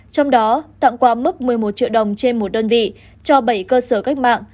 trong đó tặng quà mức một mươi một triệu đồng trên một đơn vị cho bảy cơ sở cách mạng